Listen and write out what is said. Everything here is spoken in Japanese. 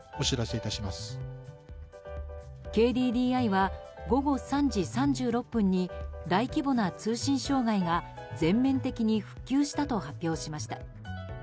ＫＤＤＩは午後３時３６分に大規模な通信障害が全面的に復旧したと発表しました。